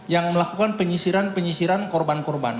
yang melakukan penyisiran penyisiran korban korban